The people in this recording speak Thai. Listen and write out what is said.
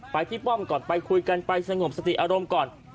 ไปที่ป้อมก่อนไปคุยกันไปสงบสติอารมณ์ก่อน